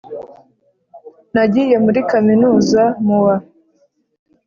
Nagiye muri kaminuza mu wa